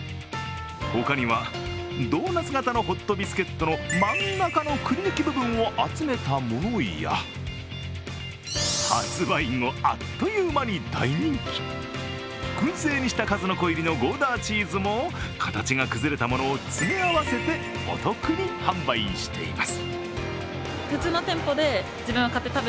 ほかには、ドーナツ型のホットビスケットの真ん中のくり抜き部分を集めたものや発売後、あっという間に大人気、燻製にした数の子入りのゴーダチーズも形が崩れたものを詰め合わせてお得に販売しています。